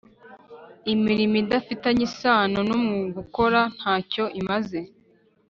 imirimo idafitanye isano n umwuga ukora ntacyo imaze